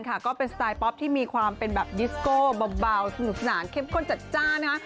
ก็เป็นสไตล์ป๊อปที่มีความเป็นแบบดิสโก้เบาสนุกสนานเข้มข้นจัดจ้านนะคะ